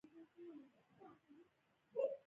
منډه يې واخيسته، له مړو جسدونو يې ټوپ کړل.